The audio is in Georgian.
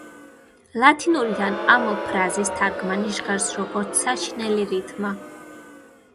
ლათინურიდან ამ ფრაზის თარგმანი ჟღერს, როგორც „საშინელი რითმა“.